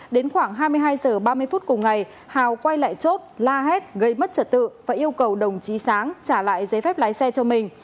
đến khoảng hai mươi hai h ba mươi phút cùng ngày hào quay lại chốt la hét gây mất trật tự và yêu cầu đồng chí sáng trả lại giấy phép lái xe cho mình